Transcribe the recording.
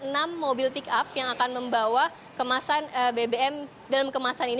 ada enam mobil pick up yang akan membawa kemasan bbm dalam kemasan ini